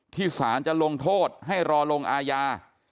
สารจะลงโทษให้รอลงอาญา